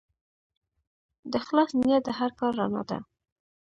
د اخلاص نیت د هر کار رڼا ده.